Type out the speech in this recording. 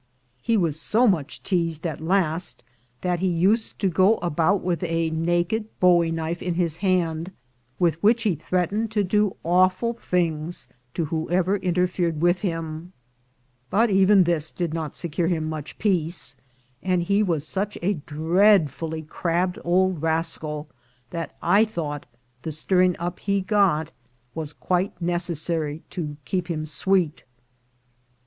He was so much teased at last that he used to go about with a naked bowie knife in his hand, with which he threatened to do awful things to whoever interfered with him. But even this did not secure him much peace, and he was such a dreadfully crabbed old rascal that I thought the stirring up he got was quite necessary to keep him sweet.